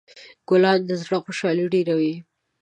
ګلان د زړه خوشحالي ډېروي.